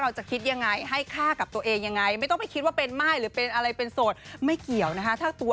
และอยากจะเป็นกำลังใจให้กับคนที่เป็นม่ายทุกคนว่าคุณยังก้าวไปข้างหน้าต่อไปได้